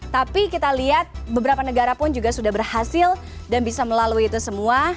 tapi kita lihat beberapa negara pun juga sudah berhasil dan bisa melalui itu semua